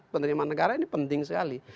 penerimaan negara ini penting sekali